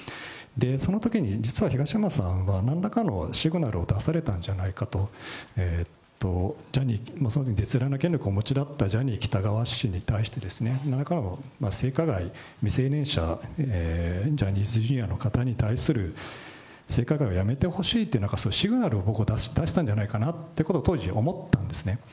そのときに、実は東山さんは、なんらかのシグナルを出されたんじゃないかと、そのとき絶大な権力をお持ちだったジャニー喜多川氏に対して、なんらかの性加害、未成年者、ジャニーズＪｒ．の方に対する性加害をやめてほしいというシグナルを、僕は出したんじゃないかってことを、当時思ったんですね。